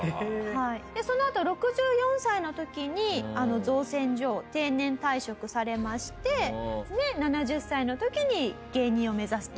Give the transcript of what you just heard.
そのあと６４歳の時に造船所を定年退職されましてで７０歳の時に芸人を目指すと。